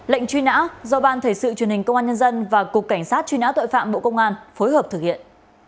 lệnh truy nã do ban thể sự truyền hình công an nhân dân và cục cảnh sát truy nã tội phạm bộ công an phối hợp thực hiện